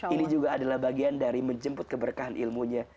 ini juga adalah bagian dari menjemput keberkahan ilmunya